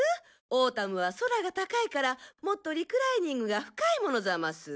オータムは空が高いからもっとリクライニングが深いものざます。